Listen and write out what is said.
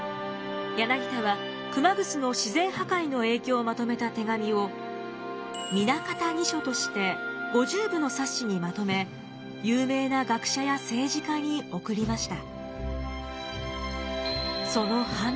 柳田は熊楠の自然破壊の影響をまとめた手紙を「南方二書」として５０部の冊子にまとめ有名な学者や政治家に送りました。